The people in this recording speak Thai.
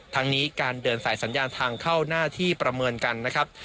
ทั้งนี้การเดินสายสัญญาณทางเข้าหน้าที่ประเมินกันนะครับ